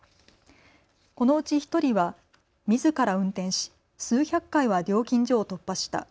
このうち１人は、みずから運転し数百回は料金所を突破した。